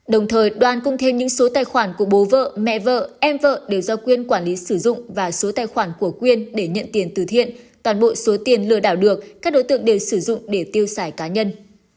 đồng thời đoàn cung thêm những số tài khoản của bố vợ mẹ vợ em vợ đều do quyên quản lý sử dụng và số tài khoản của quyên để nhận tiền từ thiện toàn bộ số tiền lừa đảo được các đối tượng đều sử dụng để tiêu xài cá nhân